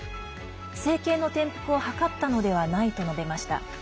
政権の転覆を謀ったのではないと述べました。